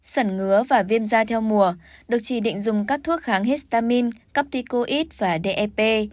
sẩn ngứa và viêm da theo mùa được chỉ định dùng các thuốc kháng histamin capticoid và dep